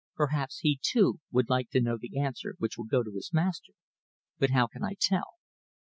Perhaps he, too, would like to know the answer which will go to his master, but how can I tell?"